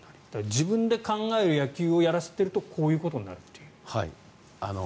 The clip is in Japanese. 自分で考える野球をやらせているとこういうことになるという。